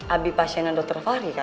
abi pasiennya dokter fahri kan